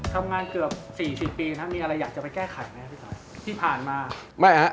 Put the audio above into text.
ทำงานเกือบ๔๕ปีทั้งนี้มีอะไรอยากจะไปแก้ไขไหมพี่สอยที่ผ่านมา